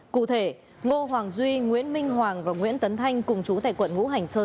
cụ thể ngô hoàng duy nguyễn minh hoàng và nguyễn tấn thanh cùng chú tại quận ngũ hành sơn